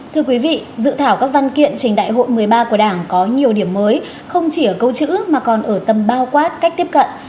thưa quý vị dự thảo các văn kiện trình đại hội một mươi ba của đảng có nhiều điểm mới không chỉ ở câu chữ mà còn ở tầm bao quát cách tiếp cận